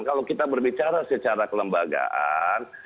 kalau kita berbicara secara kelembagaan